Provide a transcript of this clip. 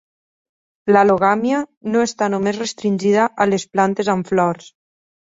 L'al·logàmia no està només restringida a les plantes amb flors.